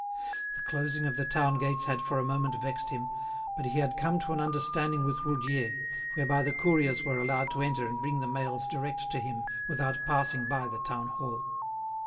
The closing of the town gates had for a moment vexed him, but he had come to an understanding with Roudier, whereby the couriers were allowed to enter and bring the mails direct to him without passing by the town hall.